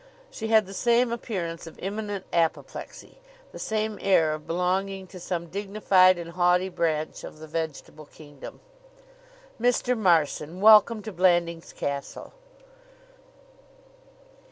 She had the same appearance of imminent apoplexy, the same air of belonging to some dignified and haughty branch of the vegetable kingdom. "Mr. Marson, welcome to Blandings Castle!"